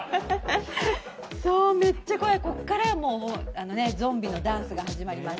そう、めっちゃ怖い、こっからゾンビのダンスが始まります。